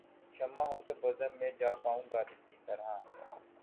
شمع ہوں‘ تو بزم میں جا پاؤں غالب کی طرح